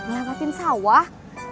nanti motornya kang tatang kecebur lho